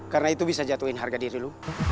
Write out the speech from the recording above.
karena itu bisa jatuhin harga diri lo